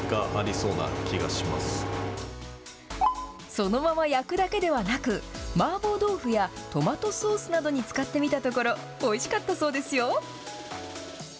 そのまま焼くだけではなく、麻婆豆腐やトマトソースなどに使ってみたところ、おいしかったそうですよ。